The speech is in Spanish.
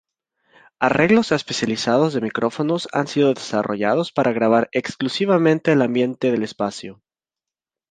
Arreglos especializados de micrófonos han sido desarrollados para grabar exclusivamente el ambiente del espacio.